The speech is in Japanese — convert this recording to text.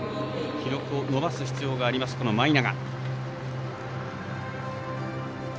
記録を伸ばす必要があります舞永。